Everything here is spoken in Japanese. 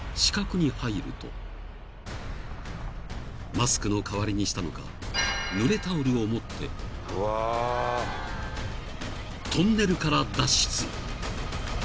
［マスクの代わりにしたのかぬれタオルを持ってトンネルから脱出］